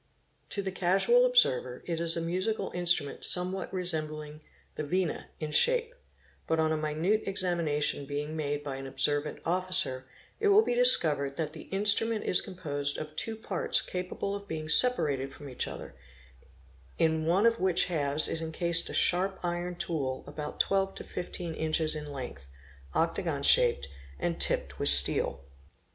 To the casual observer it #) is a musical instrument somewhat resembling the '' Vina"' in shape; on a minute examination being made by an observant officer, it will be THIEVES' SCOUTS AND SPIES 671 discovered that the instrument is composed of two parts capable of being separated from each other, in one of which halves is encased a sharp iron tool about 12 to 15 inches in length, octagon shaped, and tipped with steel.